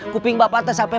kuping bapak teh sampai